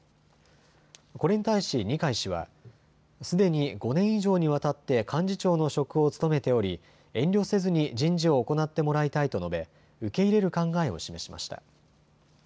これに対し二階氏はすでに５年以上にわたって幹事長の職を務めており遠慮せずに人事を行ってもらいたいと述べ受け入れる考えを示しました。